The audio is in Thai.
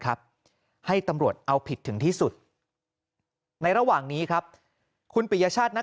ครับให้ตำรวจเอาผิดถึงที่สุดในระหว่างนี้ครับคุณปิยชาตินั้น